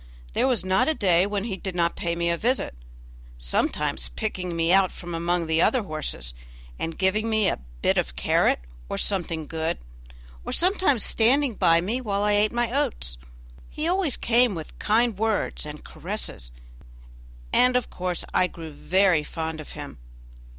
There was not a day when he did not pay me a visit; sometimes picking me out from among the other horses, and giving me a bit of carrot, or something good, or sometimes standing by me while I ate my oats. He always came with kind words and caresses, and of course I grew very fond of him.